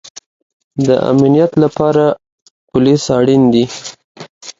د امنیت لپاره پولیس اړین دی